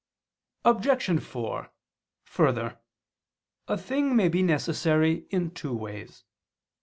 Obj. 4: Further, a thing may be necessary in two ways.